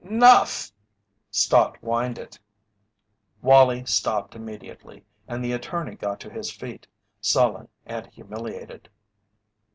"'Nough!" Stott whined it. Wallie stopped immediately, and the attorney got to his feet, sullen and humiliated.